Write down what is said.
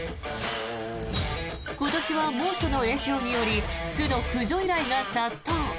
今年は猛暑の影響により巣の駆除依頼が殺到。